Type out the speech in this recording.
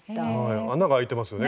穴が開いてますよね